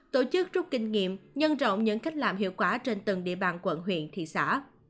tổ chức rút kinh nghiệm nhân rộng những cách làm hiệu quả trên từng địa bàn quận huyện thị xã